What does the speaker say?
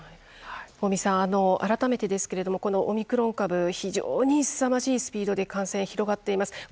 尾身さん、改めてですがオミクロン株非常にすさまじいスピードで感染が広がっています。